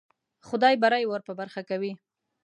خدای بری ور په برخه کوي.